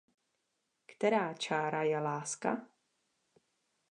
Která čára je láska?